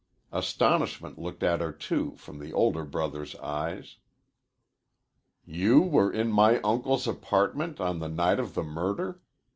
Astonishment looked at her, too, from the older brother's eyes. "You were in my uncle's apartment on the night of the murder?"